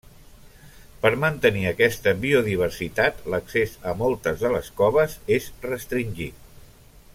Per mantenir aquesta biodiversitat, l'accés a moltes de les coves és restringit.